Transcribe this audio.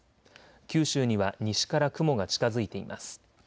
九州には西から雲が近づいています。